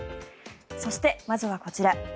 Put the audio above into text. そして、まずはこちら。